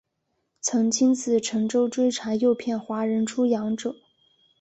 曾亲自乘舟追查诱骗华人出洋者。